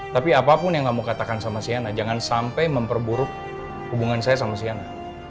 tapi apapun yang kamu katakan sama siana jangan sampai memperburuk hubungan saya sama siana